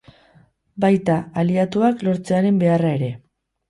Baita, aliatuak lortzearen beharra ere.